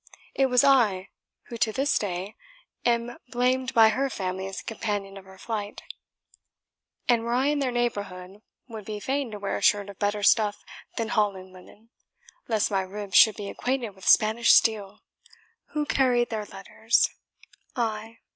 It was I who, to this day, am blamed by her family as the companion of her flight; and were I in their neighbourhood, would be fain to wear a shirt of better stuff than Holland linen, lest my ribs should be acquainted with Spanish steel. Who carried their letters? I.